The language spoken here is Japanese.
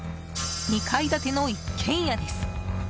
２階建ての一軒家です。